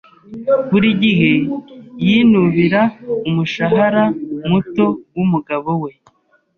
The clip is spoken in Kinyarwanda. Buri gihe yinubira umushahara muto wumugabo we.